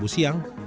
pada waktu siang